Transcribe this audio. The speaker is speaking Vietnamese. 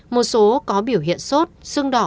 một số có biểu hiện sốt xương đỏ